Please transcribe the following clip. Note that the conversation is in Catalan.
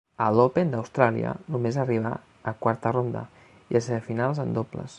A l'Open d'Austràlia només arribà a quarta ronda i a semifinals en dobles.